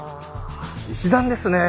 石段ですねえ。